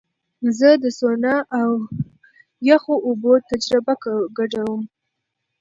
زه د سونا او یخو اوبو تجربه ګډوم.